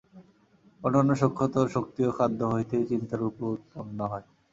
অন্যান্য সূক্ষ্মতর শক্তিও খাদ্য হইতেই চিন্তারূপে উৎপন্ন হয়।